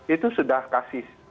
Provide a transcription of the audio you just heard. itu sudah kasih